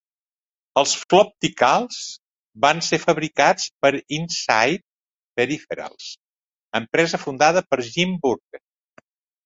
Els Flopticals van ser fabricats per Insite Peripherals, empresa fundada per Jim Burke.